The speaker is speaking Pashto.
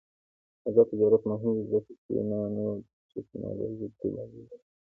آزاد تجارت مهم دی ځکه چې نانوټیکنالوژي تبادله کوي.